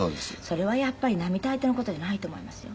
それはやっぱり並大抵の事じゃないと思いますよ。